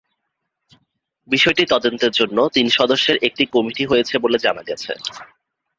বিষয়টি তদন্তের জন্য তিন সদস্যের একটি কমিটি হয়েছে বলে জানা গেছে।